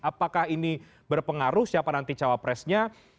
apakah ini berpengaruh siapa nanti cawapresnya